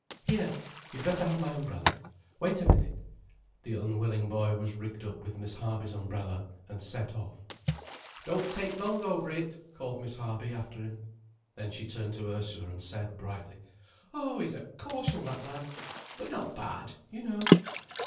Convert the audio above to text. "Here, you'd better have my umbrella—wait a minute." The unwilling boy was rigged up with Miss Harby's umbrella, and set off. "Don't take long over it," called Miss Harby, after him. Then she turned to Ursula, and said brightly: "Oh, he's a caution, that lad—but not bad, you know."